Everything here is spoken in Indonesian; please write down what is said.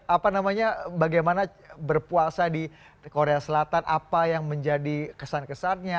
apa namanya bagaimana berpuasa di korea selatan apa yang menjadi kesan kesannya